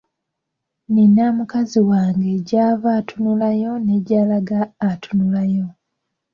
Nina mukazi wange gy’ava atunulayo ne gy’alaga atunulayo.